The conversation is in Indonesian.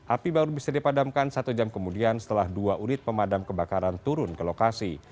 api baru bisa dipadamkan satu jam kemudian setelah dua unit pemadam kebakaran turun ke lokasi